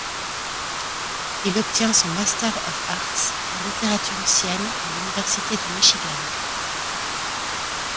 Il obtient son Master of Arts en littérature ancienne à l'Université du Michigan.